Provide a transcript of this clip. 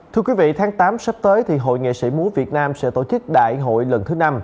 thưa quý vị tháng tám sắp tới thì hội nghệ sĩ múa việt nam sẽ tổ chức đại hội lần thứ năm